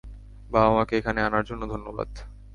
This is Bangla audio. বাবা-মাকে এখানে আনার জন্য ধন্যবাদ।